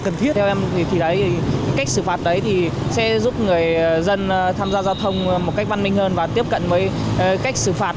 người dân tham gia giao thông một cách văn minh hơn và tiếp cận với cách xử phạt